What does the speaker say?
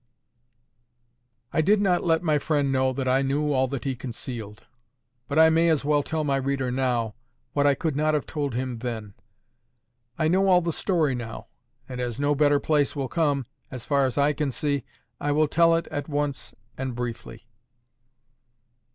I did not let my friend know that I knew all that he concealed; but I may as well tell my reader now, what I could not have told him then. I know all the story now, and, as no better place will come, as far as I can see, I will tell it at once, and briefly.